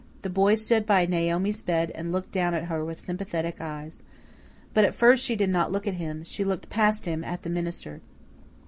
The boy stood by Naomi's bed and looked down at her with sympathetic eyes. But at first she did not look at him she looked past him at the minister.